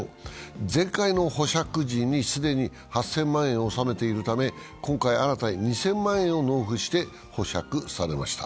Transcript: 前回の保釈時に既に８０００万円を納めているため、今回新たに２０００万円を納付して保釈されました。